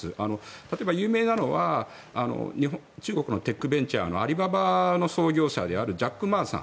例えば有名なのは中国のテックベンチャーのアリババの創業者であるジャック・マーさん